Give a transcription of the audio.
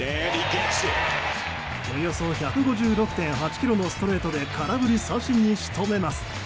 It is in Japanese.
およそ１５６．８キロのストレートで空振り三振に仕留めます。